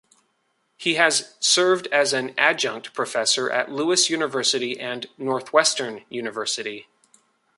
He has served as an adjunct professor at Lewis University and Northwestern University.